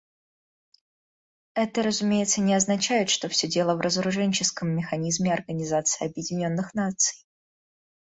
Это, разумеется, не означает, что все дело в разоруженческом механизме Организации Объединенных Наций.